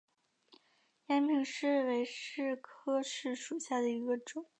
延平柿为柿科柿属下的一个种。